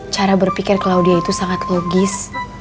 cara berpikir claudia itu sangat logis